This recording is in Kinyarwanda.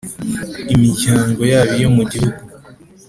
Imiryango yaba iyo mu gihugu